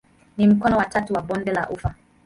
Ni mkono wa tatu wa bonde la ufa.